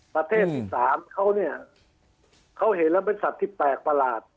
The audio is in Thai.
ประเทศสี่สามเขาเนี่ยเขาเห็นแล้วเมื่อศัตริย์แตกประหลาด